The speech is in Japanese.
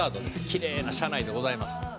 キレイな車内でございます」